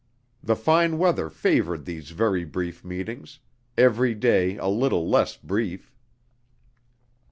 The fine weather favored these very brief meetings, every day a little less brief.